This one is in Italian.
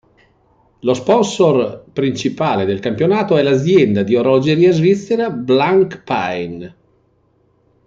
Lo sponsor principale del campionato è l'azienda di orologeria svizzera Blancpain.